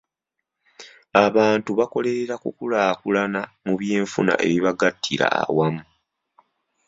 Abantu bakolerera kukulaakulana mu byenfuna ebibagattira awamu.